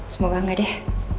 semoga gak deh